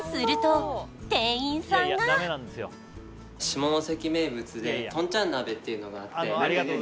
下関名物でとんちゃん鍋っていうのがあって何？